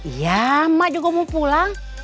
iya mak juga mau pulang